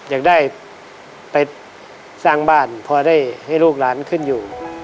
อยากได้ไปสร้างบ้านพอได้ให้ลูกหลานขึ้นอยู่